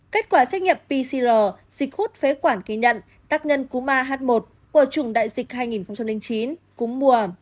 kết quả xét nghiệp pcr dịch hút phế quản kỳ nhận tác nhân cuma h một của chủng đại dịch hai nghìn chín cúng mùa